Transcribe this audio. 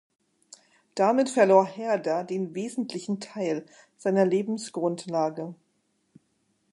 Damit verlor Herder den wesentlichen Teil seiner Lebensgrundlage.